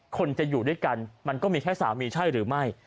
คนจะอยู่ด้วยกันมันก็มีแค่สามีใช่หรือไม่